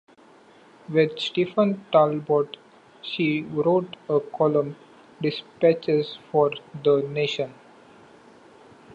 With Stephen Talbot she wrote a column, Dispatches, for The Nation.